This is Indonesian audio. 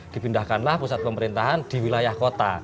dipindahkanlah pusat pemerintahan di wilayah kota